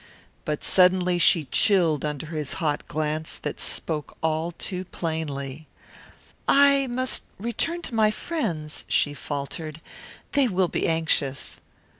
But suddenly she chilled under his hot glance that now spoke all too plainly. "I must return to my friends," she faltered. "They will be anxious."